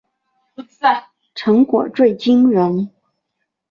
成果最惊人